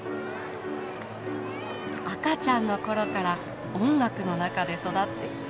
「赤ちゃんの頃から音楽の中で育ってきた」